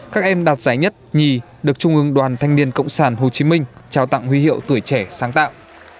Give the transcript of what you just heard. các em đạt giải nhất nhì được trung ương đoàn thanh niên cộng sản hồ chí minh trao tặng huy hiệu tuổi trẻ sáng tạo